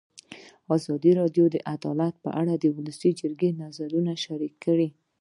ازادي راډیو د عدالت په اړه د ولسي جرګې نظرونه شریک کړي.